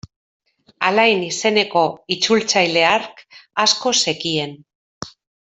Alain izeneko itzultzaile hark asko zekien.